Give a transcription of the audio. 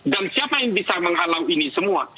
dan siapa yang bisa menghalau ini semua